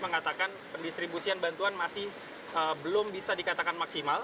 mengatakan pendistribusian bantuan masih belum bisa dikatakan maksimal